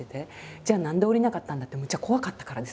じゃあ何で下りなかったんだ？ってむっちゃ怖かったからです